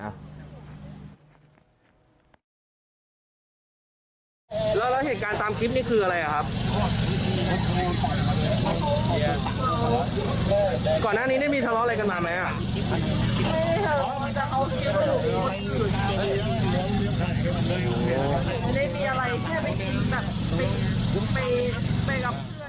ไม่ได้มีอะไรเธอไม่ได้ไปรับเพื่อน